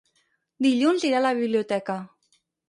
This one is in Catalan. Dilluns irà a la biblioteca.